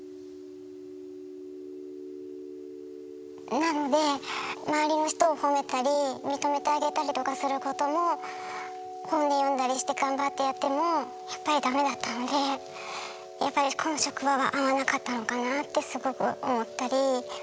なので周りの人を褒めたり認めてあげたりとかすることも本で読んだりして頑張ってやってもやっぱり駄目だったのでやっぱりと思ってはいたんですが。